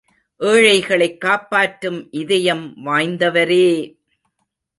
ஏழைகளைக் காப்பாற்றும் இதயம் வாய்ந்தவரே!